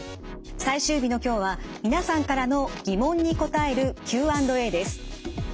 最終日の今日は皆さんからの疑問に答えるＱ＆Ａです。